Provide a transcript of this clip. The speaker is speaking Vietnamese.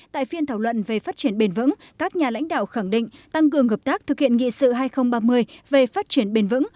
tại phiên thảo luận về phát triển bền vững các nhà lãnh đạo khẳng định tăng cường hợp tác thực hiện nghị sự hai nghìn ba mươi về phát triển bền vững